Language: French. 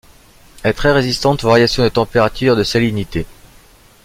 Elle est très résistante aux variations de température et de salinité.